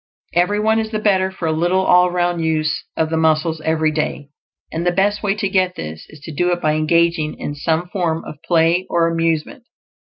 Every one is the better for a little all round use of the muscles every day; and the best way to get this is to do it by engaging in some form of play or amusement.